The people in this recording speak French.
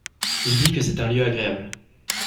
Il dit que c’est un lieu agréable.